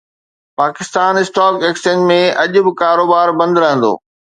Pakistan stock exchange ۾ اڄ به ڪاروبار بند رهندو